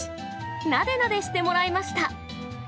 なでなでしてもらいました。